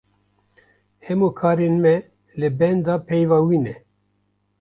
Hemû karên me li benda peyva wî ne.